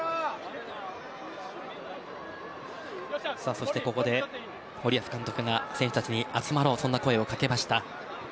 そしてここで森保監督が選手たちに、集まろうとそんな声をかけました。